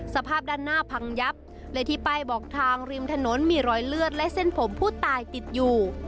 สภาพด้านหน้าพังยับและที่ป้ายบอกทางริมถนนมีรอยเลือดและเส้นผมผู้ตายติดอยู่